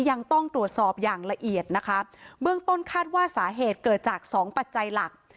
ยังต้องตรวจสอบอย่างละเอียดนะคะเบื้องต้นคาดว่าสาเหตุเกิดจากสองปัจจัยหลัก